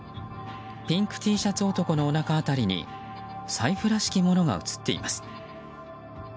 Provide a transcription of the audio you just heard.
ピンクＴシャツ男のおなか辺りに財布らしきものが映っています。